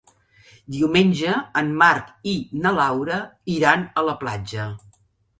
Diumenge en Marc i na Laura iran a la platja.